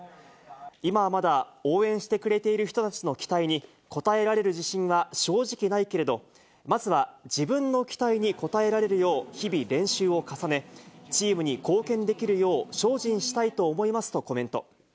今はまだ、応援してくれている人たちの期待に応えられる自信は正直ないけれど、まずは自分の期待に応えられるよう、日々練習を重ね、チームに貢献できるよう、精進したいと思いますとコメント。